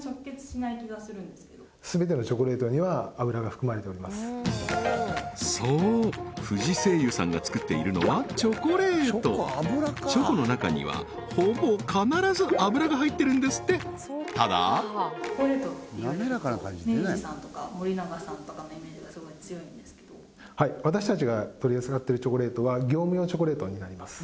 これってそう不二製油さんがつくっているのはチョコレートチョコの中にはほぼ必ず油が入ってるんですってただすごい強いんですけどはい私たちが取り扱ってるチョコレートは業務用チョコレートになります